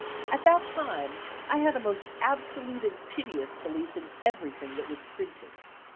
At that dme I had a most absolute and piteous belief in everything that was "printed."